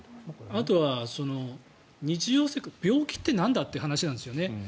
あとは、日常生活病気ってなんだっていう話なんですよね。